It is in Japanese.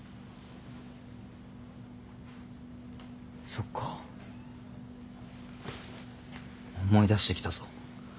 そっか思い出してきたぞ。